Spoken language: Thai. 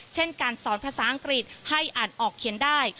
เช่นการสอนภาษาอังกฤษให้อ่านออกเขียนได้